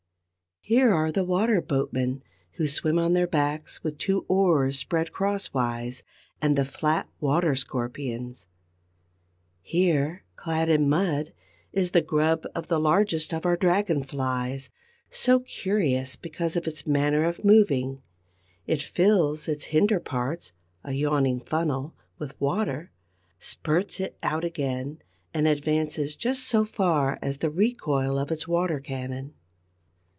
Here are the Water boatmen, who swim on their backs with two oars spread crosswise, and the flat Water scorpions; here, clad in mud, is the grub of the largest of our Dragon flies, so curious because of its manner of moving: it fills its hinder parts, a yawning funnel, with water, spirts it out again and advances just so far as the recoil of its water cannon.